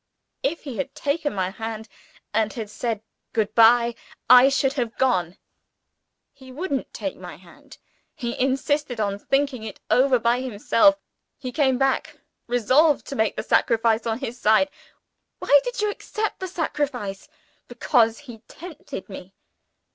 If he had taken my hand, and had said Good bye, I should have gone. He wouldn't take my hand. He insisted on thinking it over by himself. He came back, resolved to make the sacrifice, on his side " "Why did you accept the sacrifice?" "Because he tempted me."